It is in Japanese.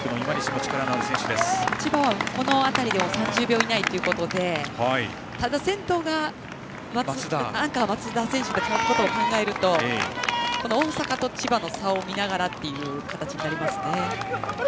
千葉は、この辺りでは３０秒以内ということでただ先頭が、アンカーの松田選手のことを考えると大阪と千葉の差を見ながらという形になりますね。